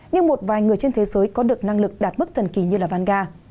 nhưng một vài người trên thế giới có được năng lực đạt mức thần kỳ như là vanda